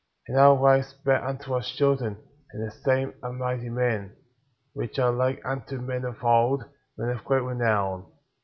And our wives bear unto us children, and the same are mighty men, which are like unto men of old, men of great renown.